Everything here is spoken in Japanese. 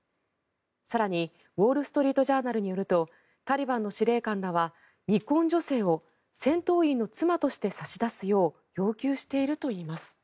更に、ウォール・ストリート・ジャーナルによるとタリバンの司令官らは未婚女性を戦闘員の妻として差し出すよう要求しているといいます。